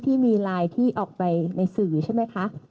ที่มีไลน์ที่ออกไปในสื่อใช่ไหมคะ